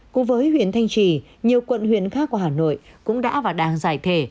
cùng với huyện thanh trì nhiều quận huyện khác của hà nội cũng đã và đang giải thể